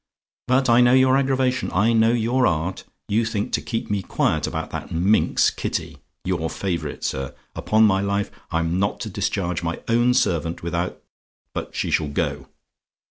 But I know your aggravation I know your art. You think to keep me quiet about that minx Kitty, your favourite, sir! Upon my life, I'm not to discharge my own servant without but she shall go.